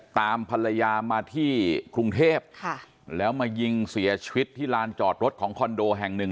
ตามภรรยามาที่กรุงเทพแล้วมายิงเสียชีวิตที่ลานจอดรถของคอนโดแห่งหนึ่ง